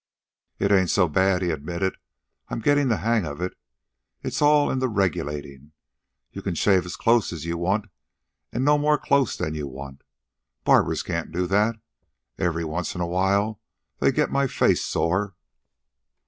"It ain't so bad," he admitted. "I'm gettin' the hang of it. It's all in the regulating. You can shave as close as you want an' no more close than you want. Barbers can't do that. Every once an' awhile they get my face sore."